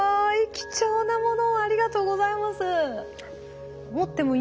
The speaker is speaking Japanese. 貴重な物をありがとうございます。